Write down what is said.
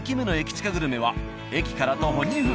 チカグルメは駅から徒歩２分。